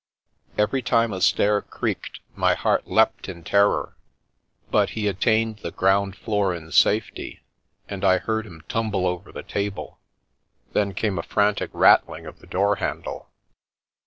Every time a stair creaked my heart leapt in terror, but The Milky Way he attained the ground floor in safety, and I heard him tumble over the table — then came a frantic rattling of the door handle.